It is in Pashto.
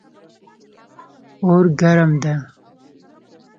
اور ګرم ده